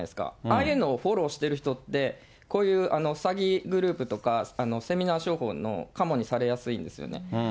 ああいうのをフォローしてる人って、こういう詐欺グループとか、セミナー商法のカモにされやすいんですよね。